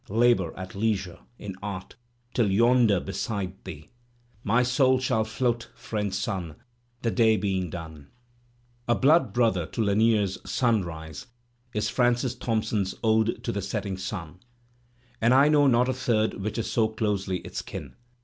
Labour, at leisure, in art, — till yonder beside thee My soul shall float, friend Sun, The day being done. A blood brother to Lanier's "Sunrise" is Francis Thomp son's "Ode to the Setting Sun," and I know not a third which so is closely its kin.